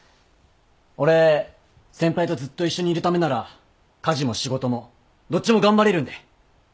俺先輩とずっと一緒にいるためなら家事も仕事もどっちも頑張れるんで。